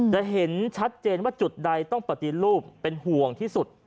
จะเห็นชัดเจนว่าจุดใดต้องปฏิรูปเป็นห่วงที่สุด